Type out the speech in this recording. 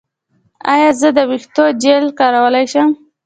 ایا زه د ویښتو جیل کارولی شم؟